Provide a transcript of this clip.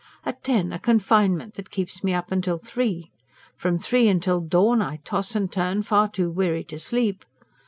At ten a confinement that keeps me up till three. From three till dawn I toss and turn, far too weary to sleep.